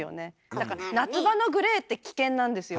だから夏場のグレーって危険なんですよ。